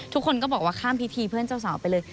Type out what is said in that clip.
ทุกคนก็บอกว่าข้ามพิธีเพื่อนเจ้าสาวไปเลย